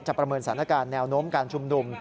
ประเมินสถานการณ์แนวโน้มการชุมนุม